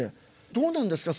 どうなんですか？